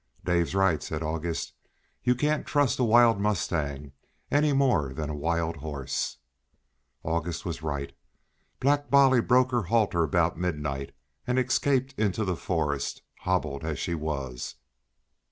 "Dave's right," said August. "You can't trust a wild mustang any more than a wild horse." August was right. Black Bolly broke her halter about midnight and escaped into the forest, hobbled as she was.